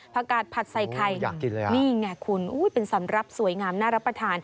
กาดผัดใส่ไข่นี่ไงคุณเป็นสำหรับสวยงามน่ารับประทาน